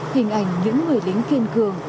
hình ảnh những người lính kiên cường